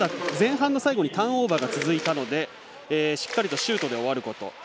前半の最後にターンオーバーが続いたのでしっかりとシュートで終わること。